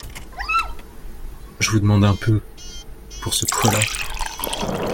Je vous demande un peu ! pour ce poids-là !